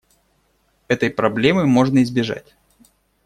Этой проблемы можно избежать.